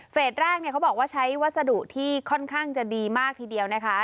แรกเนี่ยเขาบอกว่าใช้วัสดุที่ค่อนข้างจะดีมากทีเดียวนะคะ